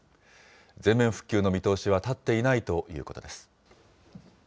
全面復旧の見通しは立っていないということです。